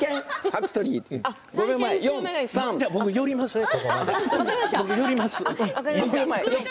僕、寄ります。